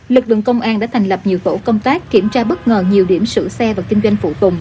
lực lượng công an đã thành lập nhiều tổ công tác kiểm tra bất ngờ nhiều điểm sửa xe và kinh doanh phụ tùng